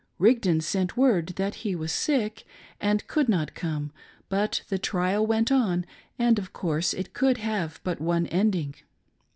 Rigdon sent word that he was sick, and could not come, but the trial went on, and of course it could have but one ending.